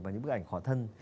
vào những bức ảnh khỏa thân